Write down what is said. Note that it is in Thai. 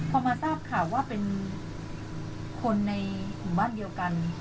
พอมาทราบข่าวว่าเป็นคนในหมู่บ้านเดียวกัน